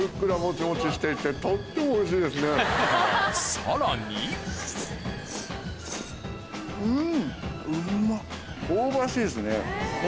さらにうん！